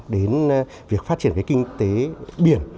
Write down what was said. đến việc phát triển cái kinh tế biển